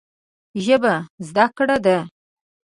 ژبه زده کړه ده